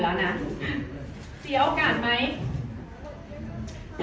อ๋อแต่มีอีกอย่างนึงค่ะ